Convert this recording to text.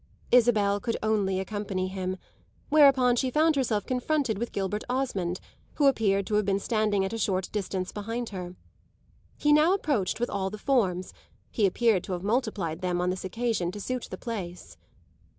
Isabel could only accompany him; whereupon she found herself confronted with Gilbert Osmond, who appeared to have been standing at a short distance behind her. He now approached with all the forms he appeared to have multiplied them on this occasion to suit the place.